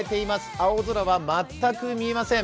青空は全く見えません。